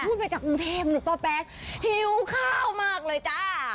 นุดาวมาจากกรุงเทพนุดป๊าแป๊หิวข้าวมากเลยจ้า